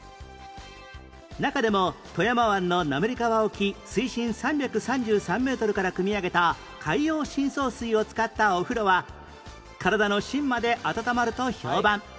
中でも富山湾の滑川沖水深３３３メートルからくみ上げた海洋深層水を使ったお風呂は体の芯まで温まると評判